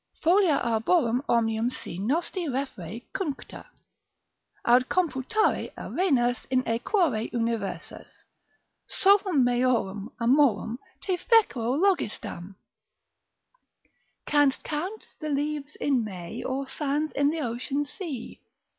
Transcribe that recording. Folia arborum omnium si Nosti referre cuncta, Aut computare arenas In aequore universas, Solum meorum amorum Te fecero logistam? Canst count the leaves in May, Or sands i' th' ocean sea?